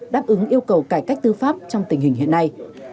đáp ứng yêu cầu cải cách tư pháp trong tình hình hiện nay